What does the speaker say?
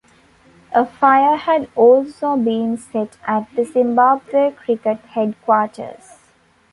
A fire had also been set at the Zimbabwe Cricket headquarters.